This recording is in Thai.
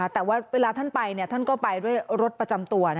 แต่ว่าเวลาท่านไปท่านก็ไปด้วยรถประจำตัว